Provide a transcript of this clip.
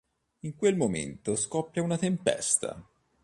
In quel momento scoppia una tempesta.